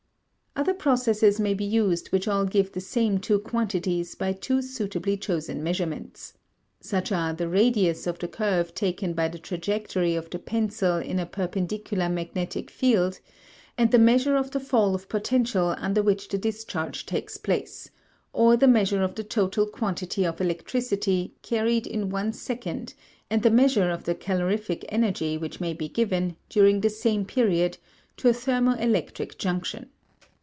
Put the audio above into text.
Other processes may be used which all give the same two quantities by two suitably chosen measurements. Such are the radius of the curve taken by the trajectory of the pencil in a perpendicular magnetic field and the measure of the fall of potential under which the discharge takes place, or the measure of the total quantity of electricity carried in one second and the measure of the calorific energy which may be given, during the same period, to a thermo electric junction.